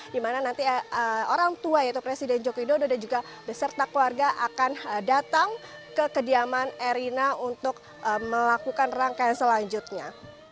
dimana nanti orang tua yaitu presiden yogyakarta dan juga beserta keluarga akan datang ke kediaman erlina untuk melakukan rangkaian selanjutnya